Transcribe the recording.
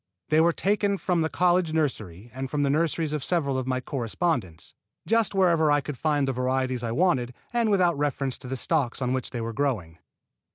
They were taken from the college nursery and from the nurseries of several of my correspondents, just wherever I could find the varieties I wanted, and without reference to the stocks on which they were growing.